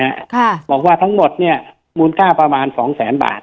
ค่ะบอกว่าทั้งหมดเนี้ยมูลค่าประมาณสองแสนบาท